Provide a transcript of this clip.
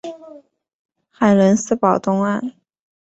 海伦斯堡东岸。